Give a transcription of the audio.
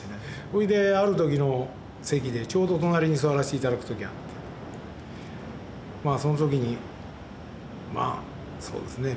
それである時の席でちょうど隣に座らせて頂く時あってまあその時にまあそうですね